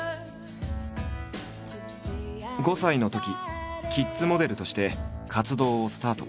５歳のときキッズモデルとして活動をスタート。